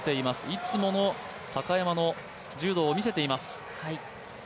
いつもの高山の柔道を見せています。